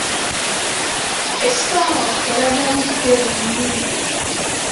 Essaawa eraga budde bwe nnyini.